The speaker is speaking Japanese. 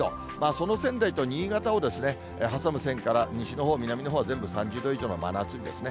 その仙台と新潟を挟む線から西のほう、南のほうは全部３０度以上の真夏日ですね。